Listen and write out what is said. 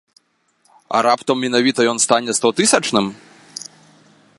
А раптам менавіта ён стане стотысячным?